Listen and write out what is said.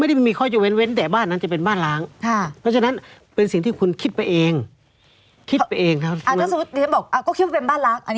อ่าถ้าสมมุติที่ฉันบอกก็คิดว่าเป็นบ้านลักษณ์อันนี้หลุดเลยไหม